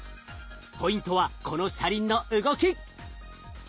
ポイントはこの車輪の動き。